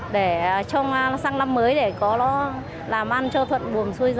để cho nó sang năm mới để có nó làm ăn cho thuận buồn xuôi gió